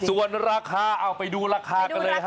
ส่วนราคาเอาไปดูราคากันเลยฮะ